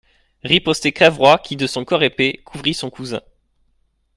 Ripostait Cavrois, qui, de son corps épais, couvrit son cousin.